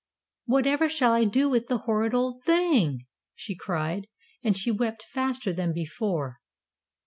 "Whatever shall I do with the horrid old thing?" she cried, and she wept faster than before.